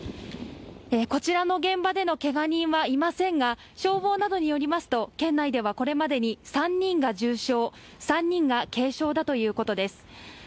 こちらの現場でのけが人はいませんが、消防などによりますと、県内ではこれまでに３人が重傷、３人が軽傷だということです。